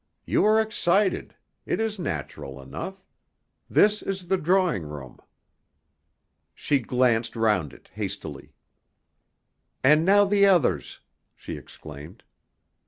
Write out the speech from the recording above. "You are excited. It is natural enough. This is the drawing room." She glanced round it hastily. "And now the others!" she exclaimed.